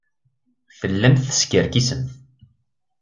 Tellamt teskerkisemt.